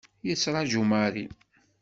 Tettraǧu Mary.